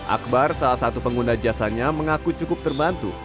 akbar salah satu pengguna jasanya mengaku cukup terbantu